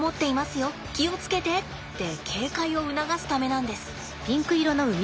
気を付けて！って警戒を促すためなんです。